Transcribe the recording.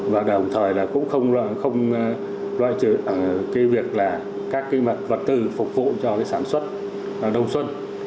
và đồng thời cũng không loại trừ việc các vật tư phục vụ cho sản xuất đồng xuân